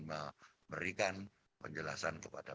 memberikan penjelasan kepada